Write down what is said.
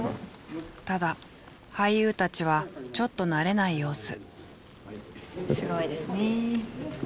ただ俳優たちはちょっと慣れない様子。